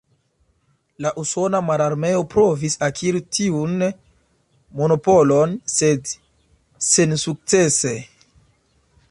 La Usona Mararmeo provis akiri tiun monopolon, sed sensukcese.